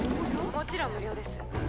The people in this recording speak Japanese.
もちろん無料ですえっ！